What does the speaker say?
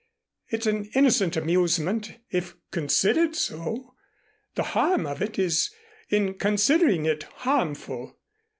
It's an innocent amusement, if considered so. The harm of it is in considering it harmful.